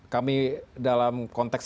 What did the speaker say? kami dalam konteks